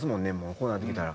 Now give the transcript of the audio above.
こうなってきたら。